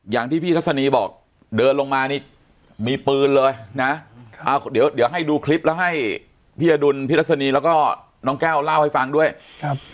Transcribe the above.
อย่างที่พี่ทัศนีบอกเดินลงมานี่มีปืนเลยนะเอาเดี๋ยวเดี๋ยวให้ดูคลิปแล้วให้พี่อดุลพี่รัศนีแล้วก็น้องแก้วเล่าให้ฟังด้วยครับ